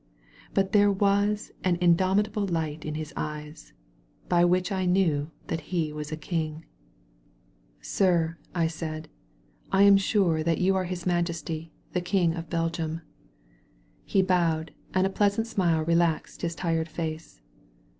But there was an in domitable light in his eyes, by which I knew that he was a King. 69 THE VALLEY OF VISION Sir/* I said, I am sure that you are his Majesty, the King of Belgium/' He bowedy and a pleasant smile relaxed his tired face.